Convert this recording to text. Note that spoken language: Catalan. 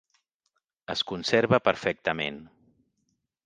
Es conserva perfectament.